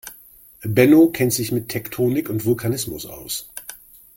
Benno kennt sich mit Tektonik und Vulkanismus aus.